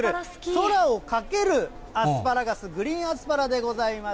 空をかけるアスパラガス、グリーンアスパラでございます。